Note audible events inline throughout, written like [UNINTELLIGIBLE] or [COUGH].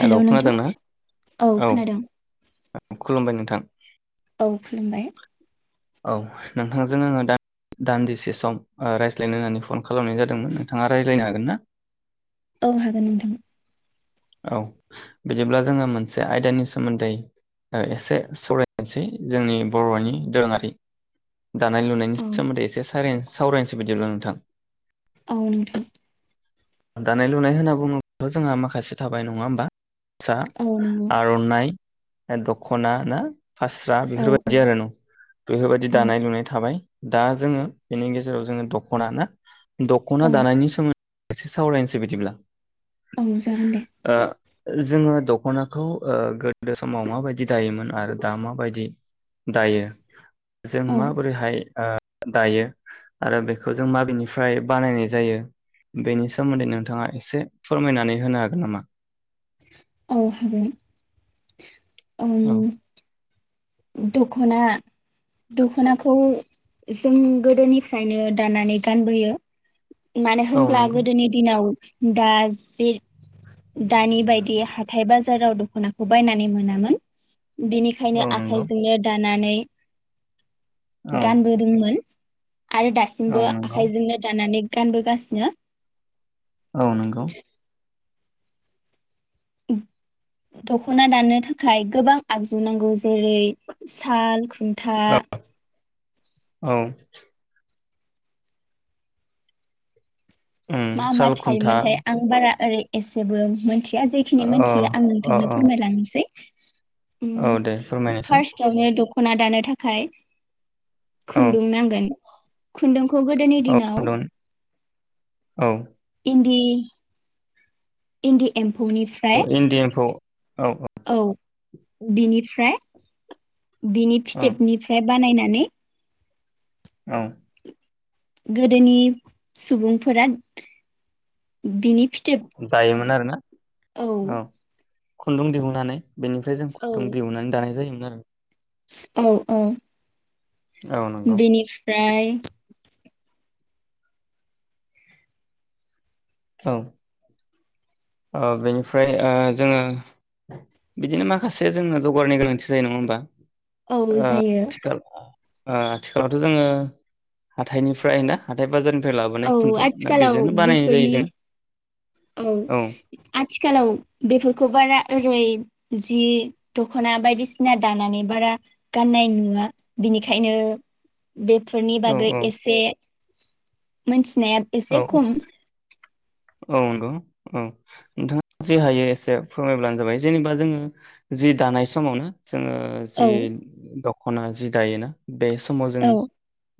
Hello नोंथां औ खोनादों खुलुमबाय नोंथां औ खुलुमबाय औ नोंथांजों आङो दा दान्दिसे सम ओ रायज्लायनो होननानै फन खालामनाय जादोंमोन नोंथाङा रायज्लायनो हागोन ना औ हागोन नोंथां औ बिदिब्ला जोङो मोनसे आयदानि सोमोन्दै ओ एसे सावरायनोसै जोंनि बरनि दोरोङारि दानाय लुनायनि औ सोमोन्दै एसे सावराय सावरायनोसै बिदिब्ला नोंथां औ नोंथां। दानाय लुनाय होनना बुङोब्ला जोंहा माखासे थाबाय नङा होमबा। सा औ नंगौ आरनानाय ओ दखना ना? फास्रा औ बेफोरबायदि आरो न बेफोरबायदि दानाय औ लुनाय थाबाय। दा जोङो बेनि गेजेराव जोङो दखना ना दखना औ दानायनि सोमोन एसे सावरायनोसै बिदिब्ला औ जागोन दे। ओ जोङो दखनाखौ ओ गोदो समाव माबायदि दायोमोन आरो दा माबायदि दायो जों औ माबोरैहाय ओ दायो आरो बेखौ जों माबेनिफ्राय बानायनाय जायो बेनि सोमोन्दै नोंथाङा एसे फोरमायनानै होनो हागोन नामा? औ हागोन। औ ओं दखना दखनाखौ जों गोदोनिफ्रायनो दाननानै गानबोयो। मानो औ होनब्ला नंगौ गोदोनि दिनाव दा जि दानि बायदि हाथाय बाजाराव दखनाखौ बायनानै मोनामोन। बेनिखायनो औ आ हाथाय नंगौ जोनो दा नानै औ गानबोदोंमोन। आरो औ दासिमबो नंगौ आखाइजोंनो दानानै गानबोगासिनो औ नंगौ दखना दाननो थाखाय गोबां आगजु नांगौ जेरै साल खु खुनथा औ औ उम मा मा साल खुन्था थायोमोनथाय आं बारा ओरै एसेबो मोनथि थिया जेखिनि अ मिथियो आं अ नोंथांनो अ फोरमायलांनोसै [INAUDIBLE] ओ औ दे फोरमायनोसै फारस्टआवनो दख खना दानो थाखाय औ खुन्दुं नांगोन खुन्दुं खौ गोदोनि औ दिनाव खुन्दुं औ दि इन्दि एम इन्दि एम्फौ औ बिनिफ्राय बिनि औ फिथोबनिफ्राय बानायनानै औ गोदोनि सुबुंफोरा बिनि फिथोब दायोमोन आरो ना औ खुन्दुं दिहुनानै बेनिफ्राय जों औ खनदुं दिहुनानै दानाय जायोमोन ना रो औ औ औ नंगौ बेनिफ्राय औ ओ बेनिफ्राय ओ जोङो बिदिनो माखासे जोङो जगारनि गोनांथि जायो नङा होमबा औ ओ जायो थिखा ओ आथिखालावथ' जोङो हाथायनिफ्राय ना हाथाय बाजार फ्राय औ लाबोनाय खुन्दुं ना आथिखालाव बेजोंनो बानायनाय जायो बेफोरनि जों औ आथिखालाव बेफोरखौ बा बारा ओरै जि दखना बायदिसिना दानानै बारा गाननाय नुवा बिनिखायनो बेफोरनि औ बागै एसे मोनथि नाया औ एसे खम औ नंगौ औ नोंथाङा जि हायो एसे फोरमायब्लानो जाबाय जेनेबा जोङो जि दानाय समावनो जोङो जि औ दख खना जि दायोना बे समाव जोङो औ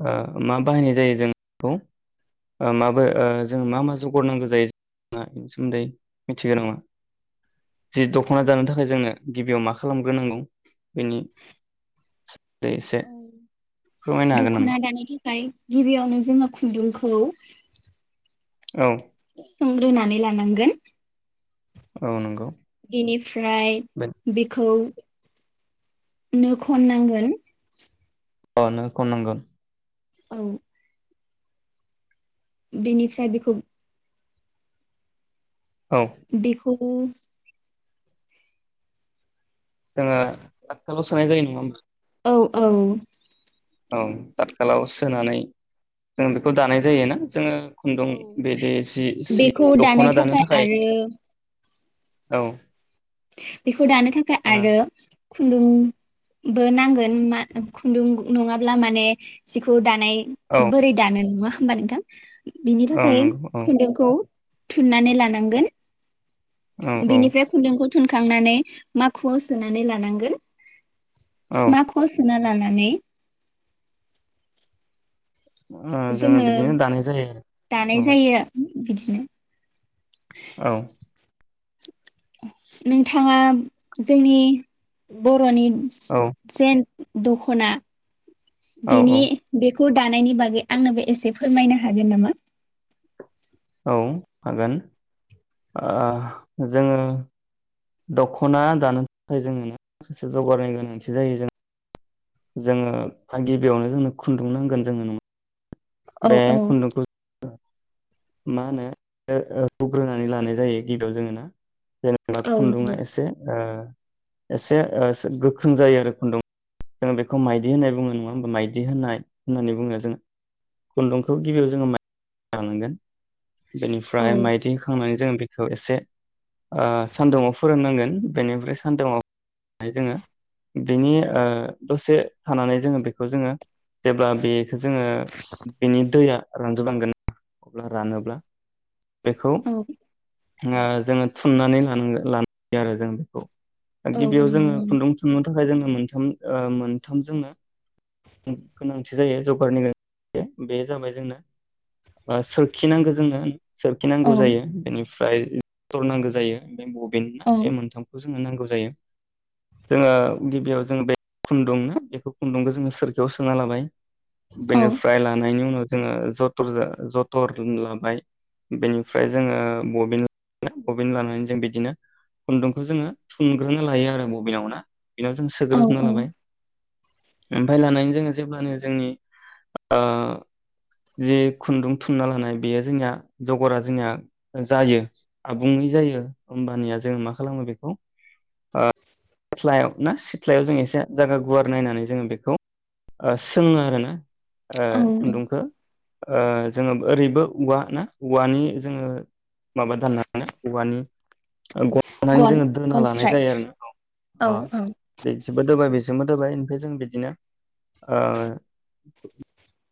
ओ मा बाहायनाय जायो जों बेखौ ओ माबो ओ जों मा मा जौ [UNINTELLIGIBLE] बेनि सोमोन्दै मिथिगो नङा जि दखना दानो थाखाय जोंनो गिबियाव मा खालामग्रोनांगौ? बिनि दै एसे औ फोरमायनो हागोन नामा? खाय गिबियावनो जोङो खुन्दुंखौ औ सोंग्रोनानै लानांगोन‌ औ नंगौ बेनिफ्राय बे बिखौ नो खननांगोन। A no खननांगोन। औ बेनिफ्राय बेखौ औ [UNINTELLIGIBLE] जोङो तातखालाव सोनाय जायो नङा होमबा? औ औ औ तातखालायाव सोनानै जों बेखौ दानाय जायोना जोङो खुन्दुं औ बिदि जि सि बेखौ दानो दख'ना थाखाय आरो औ बेखौ दानो थाखाय आरो औ खुन्दुंबो नांगोन मा खुन्दुं नङाब्ला माने जिखौ दा नाय औ बोरै दानो नङा होमबा नोंथां बिनि थाखाय नंगौ औ खुन्दुंखौ थुननानै लानांगोन औ बिनिफ्राय खुन्दुंखौ थुनखांनानै माखुआव सोनानै लानांगोन। औ माखुआव सोनानै लानानै औ जोङो बिदिनो दानाय जायो दानाय औ जायो। बिदिनो औ नोंथाङा जोंनि बर'नि औ [UNINTELLIGIBLE] दखना औ बेनि बे खौ दानायनि बागै आंनोबो एसे फोरमायनो हागोन नामा? औ हागोन ओ जोङो दखना दानो थाखाय जोङो माखासे जौगारनि गोनांथि जायो जों जोङो गिबियावनो जोंनो खुन्दुं नांगोन जोङो नङा औ बे खुन्दुंखौ मा होनो हुग्रोनानै लानाय जायो गिबियाव जोङो ना जेनेबा नंगौ खुन्दुआ एसे ओ एसे [UNINTELLIGIBLE] गोख्रों जायो आरो खुन्दुं जों बेखौ माइदि होननाय बुङोनाय नङा होमबा माइदि होननाय होननानै बुङो जोङो खुन्दुंखौ गिबियाव जोङो लानांगोन औ बेनिफ्राय माइदिखांनानै जोङो खौ एसे ओ सान्दुुंआव फोरोंनांगोन बेनिफ्राय सानदुंङाव जोङो ओ बेनि दसे थानानै जोङो बेखौ जोङो जेब्ला बे जोङो बेनि दैया रानजोब लांगोन अब्ला रानोब्ला बेखौ औ जोङो थुननानै लानांगो लानो हायो आरो जों बेखौ दा गिबियाव जोङो नंगौ खुन्दुं थुन थाखाय जोंनो मोनथाम मोनथाम जोंनो गोनांथि जायो जगारनि गोनां बे जाबाय जोंनो बा सोरखिनांगौ जोङो औ सोरखिनांगौ जायो बेनि ओमफ्राय जरनांगौ जायो [UNINTELLIGIBLE] जोंनो नांगौ जायो जोंङो गिबियाव जों बे खुन्दुंनो बेफोर खुन्दुंखो जोंङो सोरखियाव सोना लाबाय औ बेनिफ्राय लानायनि उनाव जोंङो जतरजो जतर लाबाय बेनिफ्राय जोंङो बबिन बबिन लानानै जों बिदिनो खुन्दुंखौ जोंङो थुनग्रोना लायो आरो बबिनाव ना बिनाव जों सोग्रोजोबना लाबाय ओमफ्राय लानानै जोंङो जेब्लानो जोंनि ओ खुन्दुं थुनना लानाय बेयो जोंनिया जगरा जोंनिया जायो आबुङै जायो होमबानिया जोंङो मा खालामो बेखौ ओ सिथ्लायाव ना सिथ्लायाव जों एसे जागा गुवार नायनानै जोंङो बेखौ ओ सोंङो आरो ना ओ‌ औ खुन्दुंखो ओ जोंङो ओरैबो औवा ना औवानि जोंङो माबा दाननानो औवानि गन नानै जोंङो दोना लानाय जायो आरो‌ ना अ औ औ बेजेबा दोबाय बेजोंबो दोबाय ओमफ्राय जों बिदिनो। ओ।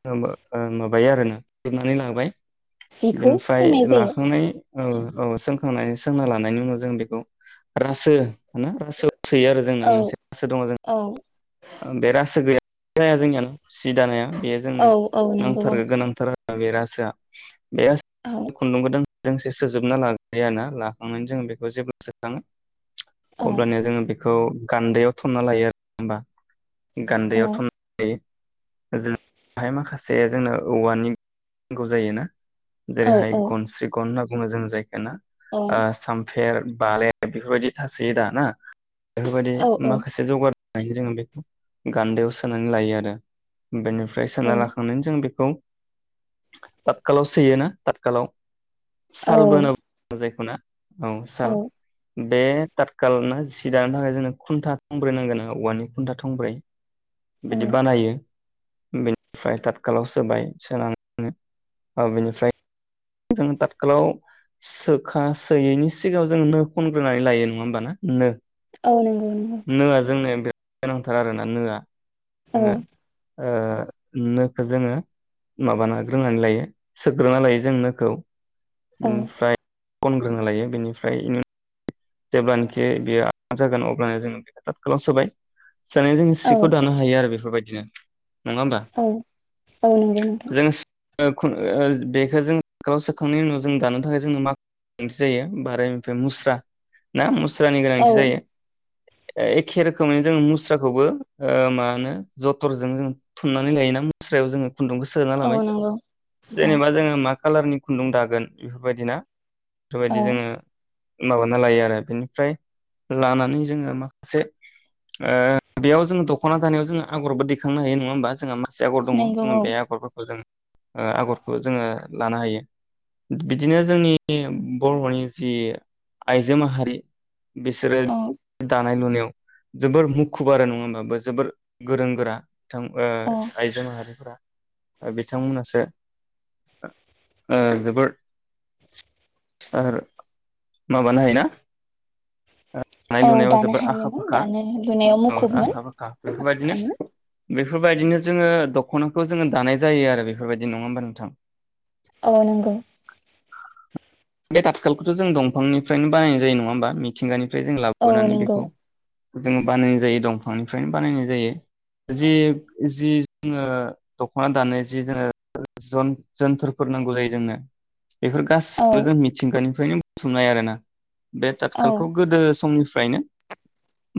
ओ माबायो आरोना फुथबनानै लाबाय। जिखौ बेनिफ्राय सोंनाय जायो लाखांनाय। औ औ सोंखांनानै सोंना लानायनि उनाव जों बेखौ रासो होनो। सौ सोयो आरो जोंना औ मोनसे गोसो दङ जों। औ ओ बेे रासो। गै जाया जोंनियाना जि दानाया। बेयो जोंनो औ औ नंगौ औ नांथारगो गोनांथार। जाय रासोआ। बे औ खुन्दुंबोदों। दोंसे सोजोबना लाग्रायाना लाखांनानै जोंङो बेखौ जेब्ला सोखाङो। औ अब्लानिया जोंङो बे। खौ गान्दैयाव थनना लायो आरो होमबा। औ गान्दैयाव थोन लायो। ओजोंहाय माखासे जोंनो औवानि नांगौ जायो ना। औ जेरै हाय गनस्रि गन। बुंङो जों जाय। ना औ ओ सामफेर। बालाया बेफोरबायदि थासोयो दा ना। बेफोरबायदि औ औ माखासे जगार। [UNINTELLIGIBLE] गान्दायाव सोनानै लायो आरो। बेनिफ्राय सोना औ लाखांनानै जों बे खौ थतखालाव सोयोना थतखालाव। साल बोनो जायखौ ना। ओं साल बे थाथखाल ना सि दानो थाखाय जोंनो खुन्था थंब्रै नांगोन औवानि। खुन्था थंब्रै। औ बिदि बानायो। बेनिफ्राय थतखालाव सोबाय सोनानै ओ बेनिफ्राय। जोंङ थथिखालाव सोखा सोयैनि सिगाङाव जोङो नो खनग्रोनानै लायो नङा होमब ना नो। औ नांगौ। नोआ जोंनो बिराद गोनांथार आरोना नोआ। औ जोङो ओ नो खो जोङो माबानाग्रोनानै लायो सोग्रोना लायो जोङो नो खौ औ बिनफ्राय कनग्रोना लायो बेनिफ्राय इनि जेब्लानाखि बियो [UNINTELLIGIBLE] जागोन अब्लानो जों बेखौ थातखालाव सोबाय। सोनायजों औ सिखौ दानो आरो बेफ बेफोरबायदिनो। नङा होमबा औ औ नंगौ नोंथां। जों ओ [UNINTELLIGIBLE] बेखौ जों गाव सोखांनायनि उनाव जों दानो थाखाय जोंनो मा [UNINTELLIGIBLE] थि जायो आरो ओमफ्राय मुस्रा। ना मुस फोरनि गोनांथि औ जायो। एखे रोखोमै जों मुस्राखौबो ओ मा होनो जतरजों जों थुननानै लायोना मुस्रायाव जोङो। खुन्दुंखौ सोना औ लाबाय नंगौ औ जेनेबा जोङो मा कालारनि खुन्दुं दागोन इफोरबायदिना? थ' इदि औ जोङो मामोन? नालायो आरो बिनिफ्राय लानानै जोङो मा से ओ बेयाव जोङो दख'ना दानायाव जोङो आग'रबो दैखांनो हायो नङा होमबा जोंहा मा से आग'र दङ नंगौ जोङो बे औ आग'रफोरखौ जोङो ओ आग'रखौ जोङो लानो हायो बिदिनो जोंनि बर'नि जि आइजो माहारि। बिसोरो औ दानाय लुनायाव जोबोर मुखुब आरो नङा होमबा बो जोबोर गोरों गोरा। थां ओ औ आइजो माहारिफोरा ओ बिथांमोनासो ओ ओ जोबोर [UNINTELLIGIBLE] माबानो हायोना? आ औ दानो हायोमोन दानो लुनायाव मुखुबमोन खा-खाङो। फोरबायदिनो जोङो दख'नाखौ जोङो दानाय जायो आरो बेफोरबायदि नङा होमबा नोंथां? औ नंगौ। बे थातखालखौथ' जों दं फांनिफ्रायनो बानायनाय जायो नङा होमबा मिथिंगानि बे जों औ लाबोनानै नंगौ बेखौ जोङो बानायनाय जायो दंफांनिफ्रायनो बानायनाय जायो जि जि जोङो दख'ना दानो जि जोंनो जन जोन्थोरफोर नांगौ जायो जोंनो बेफोर औ गासिबो जों मिथिंगानि फ्रायनो बुथुमनाय आरोना। बे औ थातखालखौ गोदो समनि फ्रायनो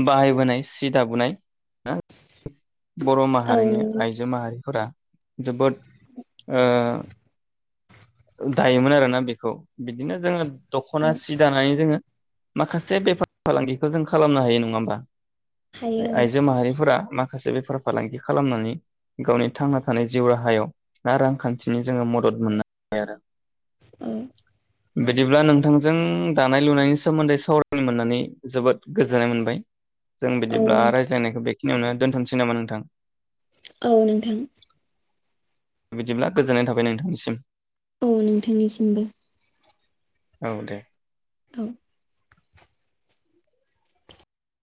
बाहायबोनाय, सि दाबोनाय ना बर' औ माहारिनि नंगौ आइजो माहारिफोरा जोबोद ओ दायोमोन आरोना बेखौ बिदिनो जोङो दख'ना औ सि दानानै जोङो माखासे बेफार फालांगिखौ जों खालामनो हायो नङा होमबा? हायो आइ-आइजो माहारिफोरा मा माखासे बेफार फालांगि खालामनानै गावनि थांना थानाय जिउ राहायाव बा रांखान्थिनि जोङो मदद मोननो [UNINTELLIGIBLE] उम बिदिब्ला नोंथांजों दानाय लुनायनि सोमोन्दै सावरायनो मोननानै जोबोद गोजोननाय मोनबाय। जों औ बिदिब्ला नोंथां रायज्लायनायखौ बे खिनियावनो दोनथ'नोसै नामा नोंथां? औ नोंथां। बिदिब्ला गोजोननाय थाबाय नोंथांनिसिम। औ नोंथांनिसिमबो। औ दे। औ।